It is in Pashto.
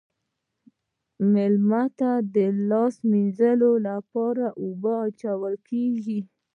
میلمه ته د لاس مینځلو لپاره اوبه اچول کیږي.